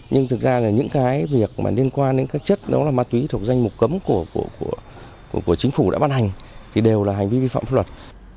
nhưng thực ra là những cái việc mà liên quan đến các chất đó là ma túy thuộc danh mục cấm của chính phủ đã ban hành thì đều là hành vi vi phạm pháp luật